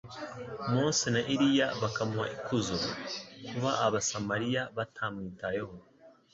Mose na Eliya bakamuha ikuzo. Kuba abasamaliya batamwitayeho,